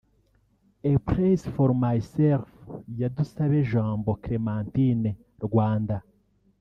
A Place for Myself ya Dusabejambo Clementine (Rwanda)